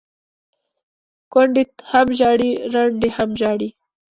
ـ کونډې هم ژاړي ړنډې هم ژاړي،